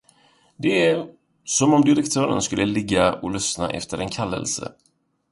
Det är, som om direktören skulle ligga och lyssna efter en kallelse.